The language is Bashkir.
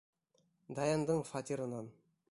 Даяндың фатирынан.